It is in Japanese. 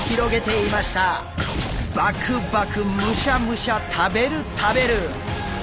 バクバクむしゃむしゃ食べる食べる！